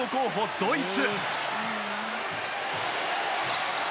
ドイツ。